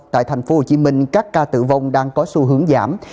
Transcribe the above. tại tp hcm các ca tử vong đang có xu hướng giảm